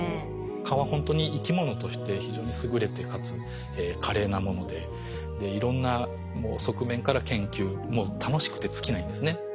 蚊はほんとに生き物として非常に優れてかつ華麗なものでいろんな側面から研究もう楽しくて尽きないんですね。